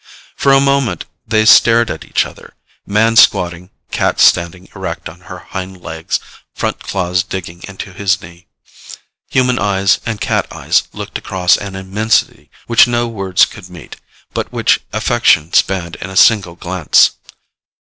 For a moment, they stared at each other, man squatting, cat standing erect on her hind legs, front claws digging into his knee. Human eyes and cat eyes looked across an immensity which no words could meet, but which affection spanned in a single glance.